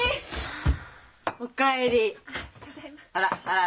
あら？